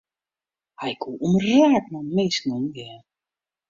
Hy koe omraak mei minsken omgean.